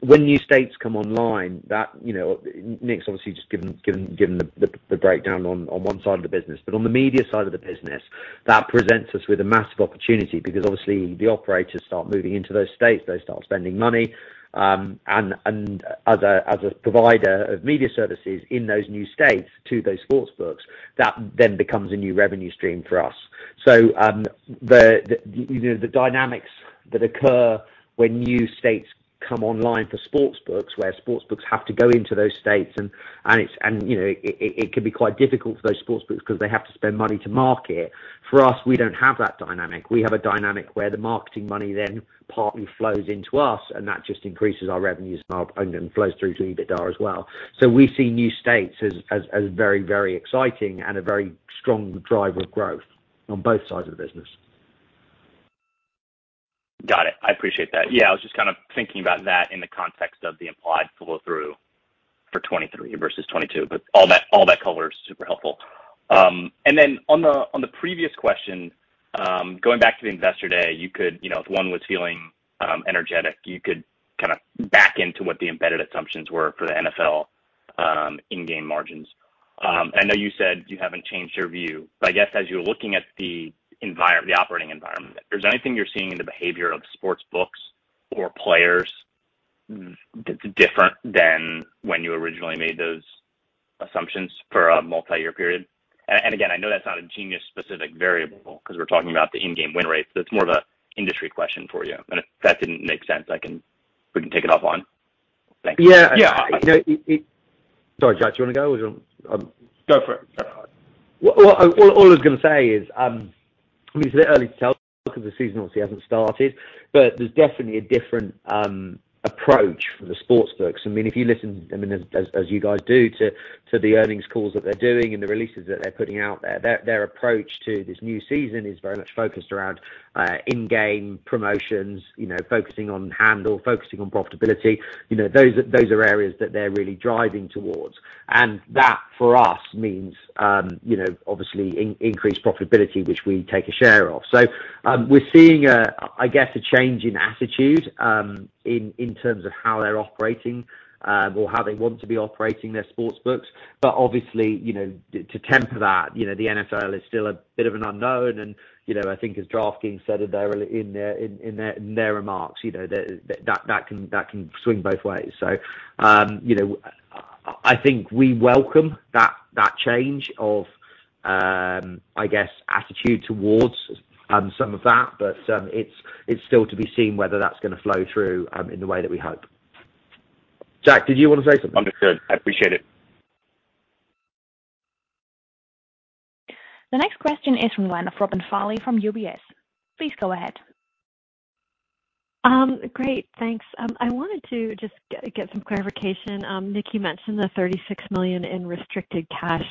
When new states come online that, you know, Nick's obviously just given the breakdown on one side of the business. On the media side of the business, that presents us with a massive opportunity because obviously the operators start moving into those states. They start spending money, and as a provider of media services in those new states to those sports books, that then becomes a new revenue stream for us. The dynamics that occur when new states come online for sports books, where sports books have to go into those states and, you know, it can be quite difficult for those sports books because they have to spend money to market. For us, we don't have that dynamic. We have a dynamic where the marketing money then partly flows into us, and that just increases our revenues and flows through to EBITDA as well. We see new states as very exciting and a very strong driver of growth on both sides of the business. Got it. I appreciate that. Yeah, I was just kind of thinking about that in the context of the implied flow through for 2023 versus 2022, but all that color is super helpful. On the previous question, going back to the investor day, you could, you know, if one was feeling energetic, you could kind of back into what the embedded assumptions were for the NFL in-game margins. I know you said you haven't changed your view, but I guess as you're looking at the environment, the operating environment, if there's anything you're seeing in the behavior of sports books or players different than when you originally made those assumptions for a multi-year period. Again, I know that's not a Genius specific variable because we're talking about the in-game win rate, so it's more of an industry question for you. If that didn't make sense, we can take it offline. Thanks. Yeah. Yeah. You know, it Sorry, Jack, do you wanna go or do you want? Go for it. Well, all I was gonna say is, I mean, it's a bit early to tell because the season obviously hasn't started, but there's definitely a different approach for the sportsbooks. I mean, if you listen, I mean, as you guys do to the earnings calls that they're doing and the releases that they're putting out there, their approach to this new season is very much focused around in-game promotions, you know, focusing on handle, focusing on profitability. You know, those are areas that they're really driving towards. That, for us, means, you know, obviously increased profitability, which we take a share of. We're seeing a, I guess, a change in attitude in terms of how they're operating or how they want to be operating their sportsbooks. Obviously, you know, to temper that, you know, the NFL is still a bit of an unknown and, you know, I think as DraftKings said in their remarks, you know, that can swing both ways. You know, I think we welcome that change of, I guess, attitude towards some of that. It's still to be seen whether that's gonna flow through in the way that we hope. Jack, did you wanna say something? Understood. I appreciate it. The next question is from the line of Robin Farley from UBS. Please go ahead. Great. Thanks. I wanted to just get some clarification. Nick, you mentioned the $36 million in restricted cash,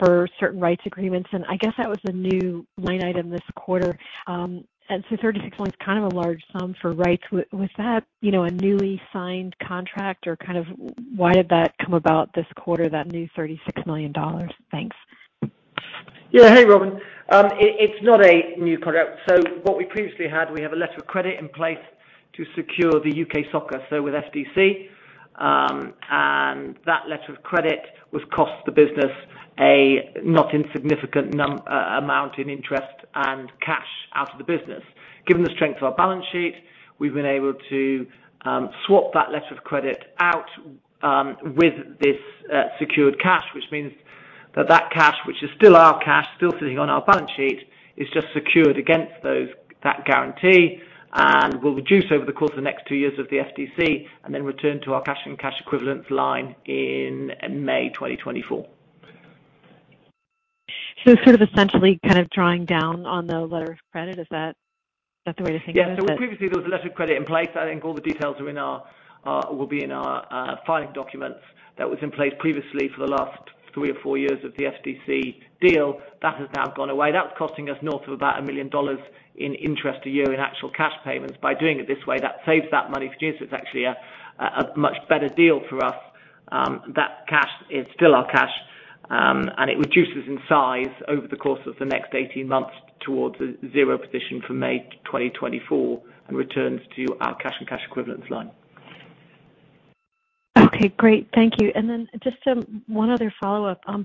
for certain rights agreements, and I guess that was a new line item this quarter. $36 million is kind of a large sum for rights. Was that, you know, a newly signed contract or kind of why did that come about this quarter, that new $36 million? Thanks. Yeah. Hey, Robin. It's not a new product. What we previously had, we have a letter of credit in place to secure the U.K soccer, so with FDC. That letter of credit would cost the business a not insignificant amount in interest and cash out of the business. Given the strength of our balance sheet, we've been able to swap that letter of credit out with this secured cash, which means that that cash, which is still our cash, still sitting on our balance sheet, is just secured against that guarantee and will reduce over the course of the next two years of the FDC and then return to our cash and cash equivalent line in May 2024. sort of essentially kind of drawing down on the letter of credit, is that the way to think of it? Yeah. Previously there was a letter of credit in place. I think all the details will be in our filing documents that was in place previously for the last three or four years of the FDC deal. That has now gone away. That's costing us north of about $1 million in interest a year in actual cash payments. By doing it this way, that saves that money for us. It's actually a much better deal for us. That cash is still our cash, and it reduces in size over the course of the next 18 months towards a zero position from May 2024 and returns to our cash and cash equivalents line. Okay, great. Thank you. Just, one other follow-up. On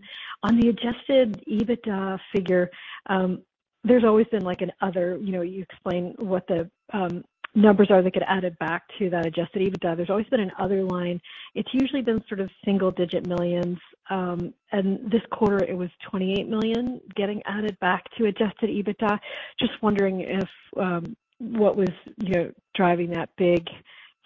the Adjusted EBITDA figure, there's always been like another, you know, you explain what the numbers are that get added back to that Adjusted EBITDA. There's always been another line. It's usually been sort of single-digit millions, and this quarter it was $28 million getting added back to Adjusted EBITDA. Just wondering if what was, you know, driving that big,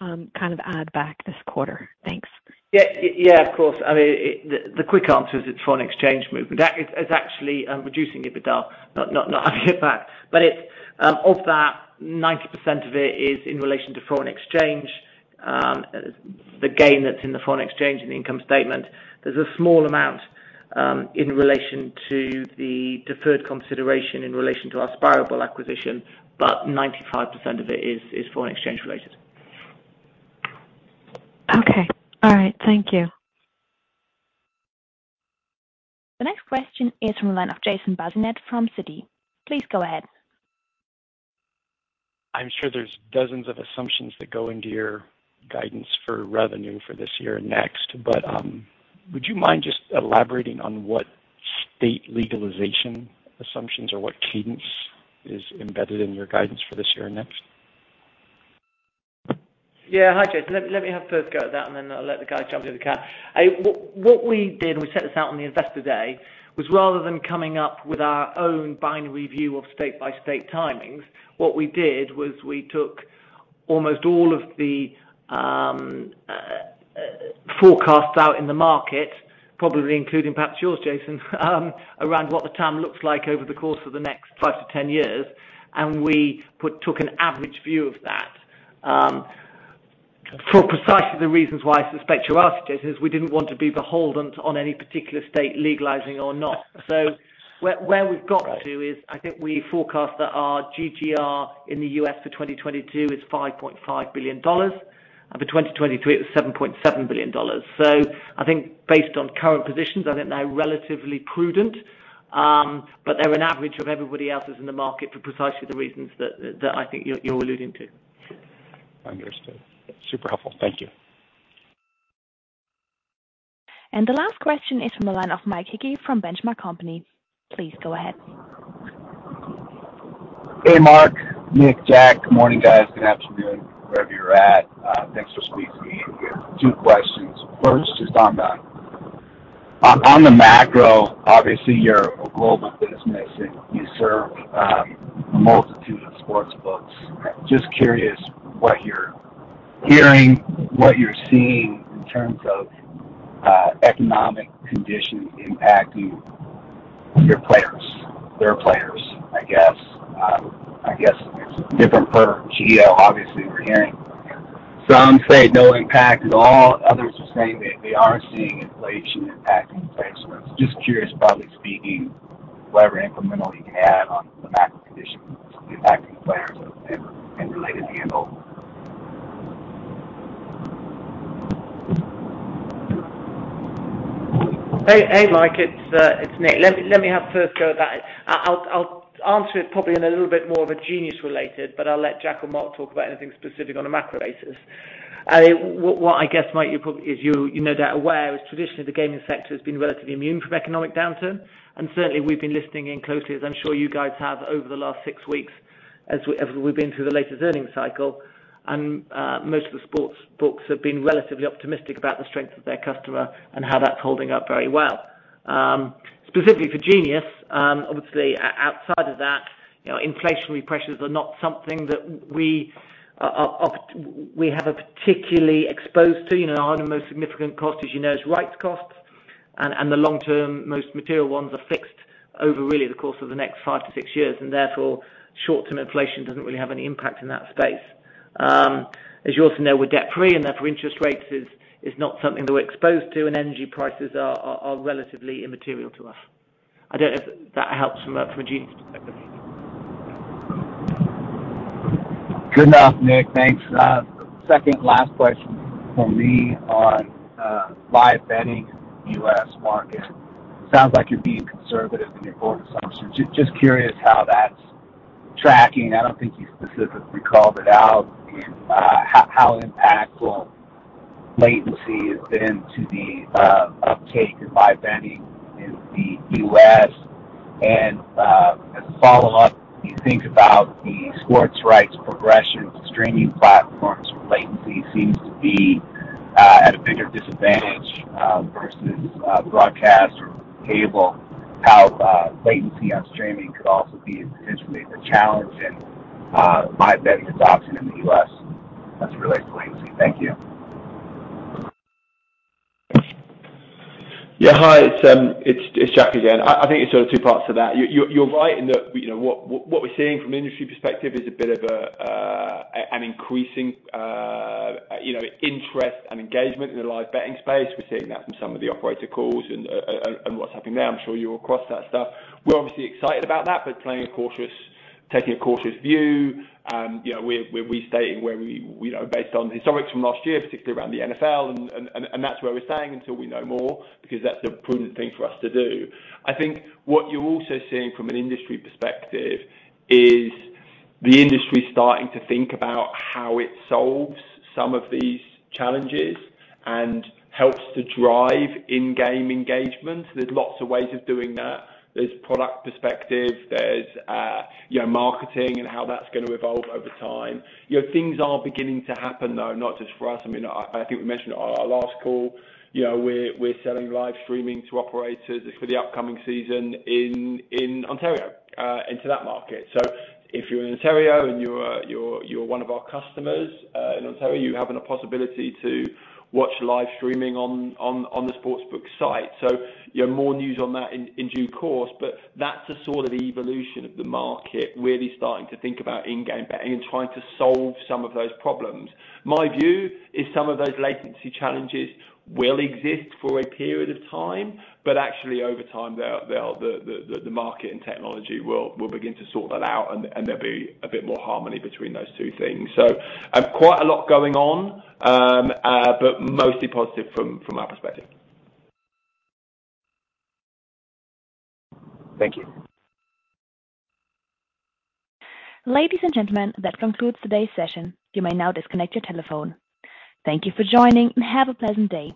kind of add back this quarter. Thanks. Yeah. Yeah, of course. I mean, the quick answer is it's foreign exchange movement. That is actually reducing EBITDA, not adding it back. It's of that, 90% of it is in relation to foreign exchange, the gain that's in the foreign exchange and the income statement. There's a small amount in relation to the deferred consideration in relation to our Spirable acquisition, but 95% of it is foreign exchange related. Okay. All right. Thank you. The next question is from the line of Jason Bazinet from Citi. Please go ahead. I'm sure there's dozens of assumptions that go into your guidance for revenue for this year and next, but, would you mind just elaborating on what state legalization assumptions or what cadence is embedded in your guidance for this year and next? Yeah. Hi, Jason. Let me have first go at that, and then I'll let the guys jump in the cab. What we did, and we set this out on the Investor Day, was rather than coming up with our own binary view of state-by-state timings, what we did was we took almost all of the forecasts out in the market, probably including perhaps yours, Jason, around what the TAM looks like over the course of the next five to 10 years, and we took an average view of that. For precisely the reasons why I suspect you asked it, is we didn't want to be beholden to any particular state legalizing or not. Where we've got to is, I think we forecast that our GGR in the U.S. for 2022 is $5.5 billion. For 2023, it was $7.7 billion. I think based on current positions, I think they're relatively prudent, but they're an average of everybody else's in the market for precisely the reasons that I think you're alluding to. Understood. Super helpful. Thank you. The last question is from the line of Mike Hickey from Benchmark Company. Please go ahead. Hey, Mark, Nick, Jack. Good morning, guys. Good afternoon, wherever you're at. Thanks for speaking to me again. Two questions. First, just on the macro, obviously, you're a global business, and you serve a multitude of sportsbooks. Just curious what you're hearing, what you're seeing in terms of economic conditions impacting your players, their players, I guess. I guess it's different per geo. Obviously, we're hearing some say no impact at all, others are saying they are seeing inflation impacting advancements. Just curious broadly speaking, whatever incremental you can add on the macro conditions impacting players and related to the end goal. Hey, Mike. It's Nick. Let me have first go at that. I'll answer it probably in a little bit more of a Genius related, but I'll let Jack or Mark talk about anything specific on a macro basis. What I guess, Mike, you probably, as you're no doubt aware, is traditionally the gaming sector has been relatively immune from economic downturn. Certainly we've been listening in closely, as I'm sure you guys have over the last six weeks as we've been through the latest earnings cycle. Most of the sportsbooks have been relatively optimistic about the strength of their customer and how that's holding up very well. Specifically for Genius, obviously, outside of that, you know, inflationary pressures are not something that we are particularly exposed to. You know, our most significant cost, as you know, is rights costs, and the long-term, most material ones are fixed over really the course of the next five to six years, and therefore, short-term inflation doesn't really have any impact in that space. As you also know, we're debt-free, and therefore, interest rates is not something that we're exposed to, and energy prices are relatively immaterial to us. I don't know if that helps from a Genius perspective. Good enough, Nick. Thanks. Second last question from me on live betting U.S. market. Sounds like you're being conservative in your growth assumptions. Just curious how that's tracking. I don't think you specifically called it out in how impactful latency has been to the uptake in live betting in the U.S. As a follow-up, you think about the sports rights progression with streaming platforms, latency seems to be at a bigger disadvantage versus broadcast or cable, how latency on streaming could also be potentially a challenge in live betting adoption in the U.S. as it relates to latency. Thank you. Yeah, hi. It's Jack again. I think it's sort of two parts to that. You're right in that, you know, what we're seeing from an industry perspective is a bit of an increasing you know interest and engagement in the live betting space. We're seeing that from some of the operator calls and what's happening there. I'm sure you're across that stuff. We're obviously excited about that, but taking a cautious view, you know, we're restating where we know based on historics from last year, particularly around the NFL and that's where we're staying until we know more because that's the prudent thing for us to do. I think what you're also seeing from an industry perspective is the industry starting to think about how it solves some of these challenges and helps to drive in-game engagement. There's lots of ways of doing that. There's product perspective, there's you know, marketing and how that's gonna evolve over time. You know, things are beginning to happen, though, not just for us. I mean, I think we mentioned on our last call, you know, we're selling live streaming to operators for the upcoming season in Ontario into that market. So if you're in Ontario and you're one of our customers in Ontario, you're having a possibility to watch live streaming on the sportsbook site. You know, more news on that in due course, but that's the sort of evolution of the market, really starting to think about in-game betting and trying to solve some of those problems. My view is some of those latency challenges will exist for a period of time, but actually over time, the market and technology will begin to sort that out and there'll be a bit more harmony between those two things. Quite a lot going on, but mostly positive from our perspective. Thank you. Ladies and gentlemen, that concludes today's session. You may now disconnect your telephone. Thank you for joining, and have a pleasant day.